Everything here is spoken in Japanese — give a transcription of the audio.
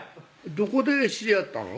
どこで知り合ったの？